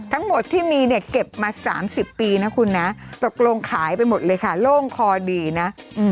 ทั้งหมดที่มีเนี่ยเก็บมา๓๐ปีนะคุณนะตกลงขายไปหมดเลยค่ะโล่งคอดีนะ